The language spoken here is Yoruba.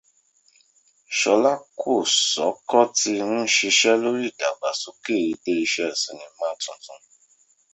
Ṣọlá Kòsókó ti ń ṣiṣẹ́ lóri ìdàgbàsókè iléeṣẹ́ sinimá tuntun.